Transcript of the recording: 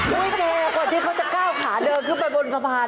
แกกว่าที่เขาจะก้าวขาเดินขึ้นไปบนสะพาน